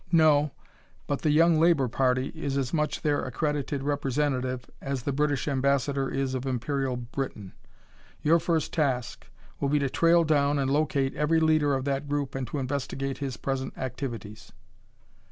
"No, but the Young Labor Party is as much their accredited representative as the British Ambassador is of imperial Britain. Your first task will be to trail down and locate every leader of that group and to investigate his present activities."